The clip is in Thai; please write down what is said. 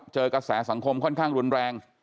เจอกระแสสังคมค่อนข้างรุนแรง